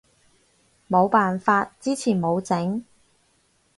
冇辦法，之前冇整